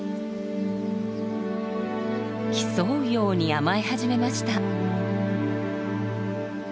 競うように甘え始めました。